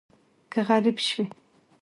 که غریب شوې